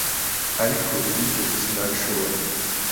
ariko ibi byo sinabishobora